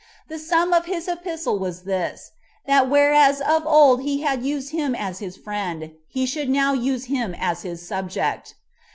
The sum of his epistle was this, that whereas of old he had used him as his friend, he should now use him as his subject.